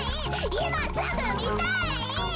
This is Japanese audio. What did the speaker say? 今すぐ見たい！